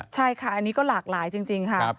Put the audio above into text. ใช่ค่ะอันนี้ก็หลากหลายจริงค่ะ